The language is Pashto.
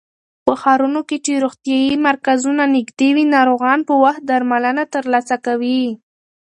په ښارونو کې چې روغتيايي مرکزونه نږدې وي، ناروغان په وخت درملنه ترلاسه کوي.